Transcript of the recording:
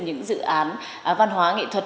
những dự án văn hóa nghệ thuật